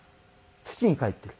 土に返ってる。